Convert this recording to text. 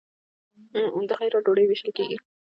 د خیرات ډوډۍ ویشل کیږي.